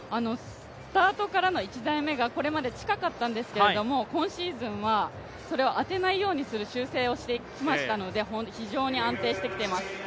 スタートからの１台目がこれまで近かったんですけど、今シーズンはそれを当てないようにする修正をしてきましたので非常に安定してきています。